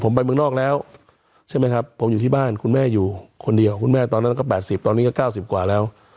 ผมไปเมืองนอกแล้วใช่ไหมครับผมอยู่ที่บ้านคุณแม่อยู่คนเดียวคุณแม่ตอนนั้นก็๘๐ตอนนี้ก็๙๐กว่าแล้ว